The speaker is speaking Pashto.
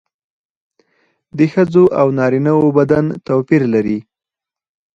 د ښځو او نارینه وو بدن توپیر لري